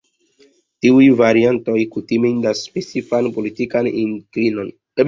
Tiuj variantoj kutime indikas specifan politikan inklinon.